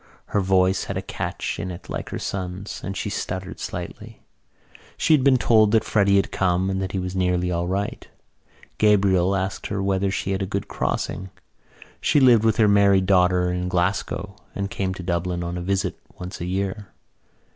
Her voice had a catch in it like her son's and she stuttered slightly. She had been told that Freddy had come and that he was nearly all right. Gabriel asked her whether she had had a good crossing. She lived with her married daughter in Glasgow and came to Dublin on a visit once a year.